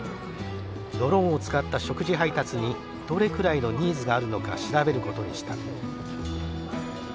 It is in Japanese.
ドローンを使った食事配達にどれくらいのニーズがあるのか調べることにした。